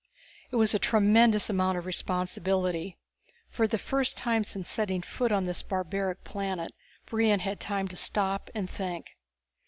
It was a tremendous amount of responsibility. For the first time since setting foot on this barbaric planet Brion had time to stop and think.